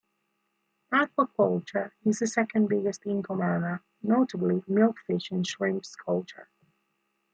Aquaculture is the second biggest income earner, notably milkfish and shrimps culture.